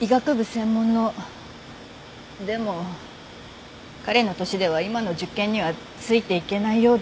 でも彼の年では今の受験にはついていけないようで。